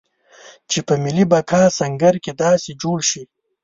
چې په ملي بقا سنګر کې داسې جوړ شي.